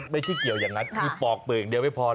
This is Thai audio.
ไม่ใช่เกี่ยวอย่างนั้นคือปอกเปลือกอย่างเดียวไม่พอ